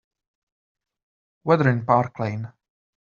Weather in Park Layne